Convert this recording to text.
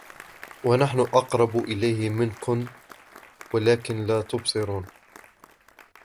ونحن أقرب إليه منكم ولكن لا تبصرون